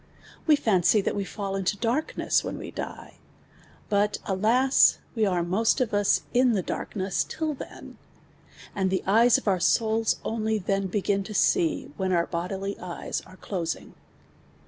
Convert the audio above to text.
We fancy that we fall into darkness, when we die ; but alas, we arc nujst of us in the daik till then ; and the eyes of our souls oidy then bei; in to see, when our bodily eyes are closing